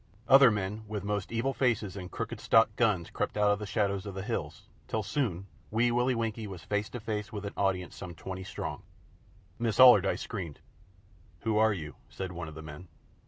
Other men with most evil faces and crooked stocked guns crept out of the shadows of the hills, till, soon, Wee Willie Winkie was face to face with an audience some twenty strong. Miss Allardyce screamed. "Who are you?" said one of the men.